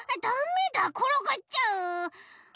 ダメだころがっちゃう。